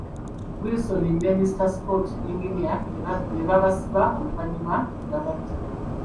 Wilson ne Mr.Scott, engineer ne babasiba, oluvannyuma ne babatta.